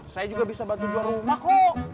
saya juga bisa bantu jual rumah kok